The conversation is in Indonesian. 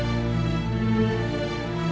aku mau ke sana